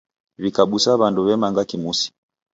W'ikabusa w'andu w'emanga kimusi.